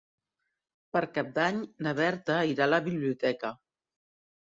Per Cap d'Any na Berta irà a la biblioteca.